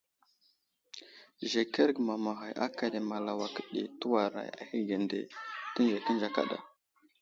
Zəkerge mamaghay akane Malawak ɗi tewaray ahəge nde tenzekənze kada.